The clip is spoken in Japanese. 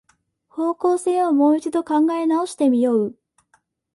方向性をもう一度考え直してみよう